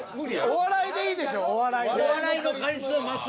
「お笑い」でいいでしょ「お笑い」で。